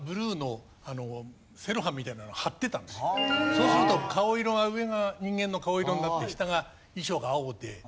そうすると顔色が上が人間の顔色になって下が衣装が青で。